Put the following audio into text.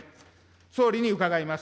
総理に伺います。